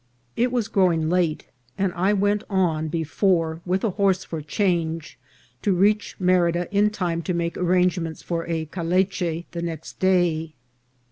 It was grow ing late, and I went on before with a horse for change, to reach Merida in time to make arrangements for a caleche the next day.